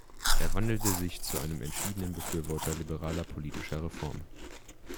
Er wandelte sich zu einem entschiedenen Befürworter liberaler politischer Reformen.